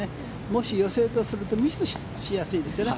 もし寄せるとするとミスしやすいですよね。